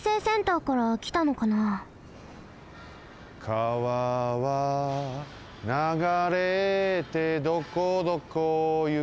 「川は流れてどこどこ行くの」